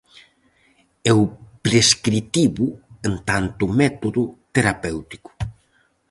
E o prescritivo, en tanto método terapéutico.